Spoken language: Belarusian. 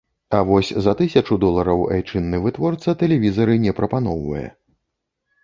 А вось за тысячу долараў айчынны вытворца тэлевізары не прапаноўвае.